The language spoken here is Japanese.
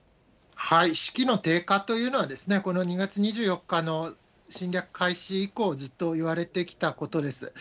士気の低下というのは、この２月２４日の侵略開始以降、ずっといわれてきたことです。